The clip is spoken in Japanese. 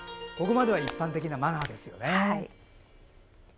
ここまでは一般的なマナーですよね。